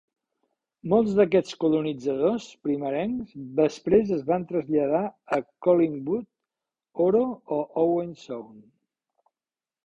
Molts d'aquests colonitzadors primerencs després es van traslladar a Collingwood, Oro o Owen Sound.